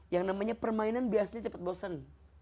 yang namanya permainan biasanya cepat bosen